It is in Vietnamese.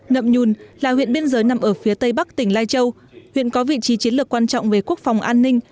nậm nhùn là huyện biên giới nằm ở phía tây bắc tỉnh lai châu huyện có vị trí chiến lược quan trọng về quốc phòng an ninh